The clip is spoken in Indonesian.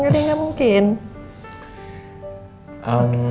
gak ada yang gak mungkin